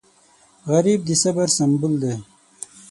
غریب د صبر سمبول دی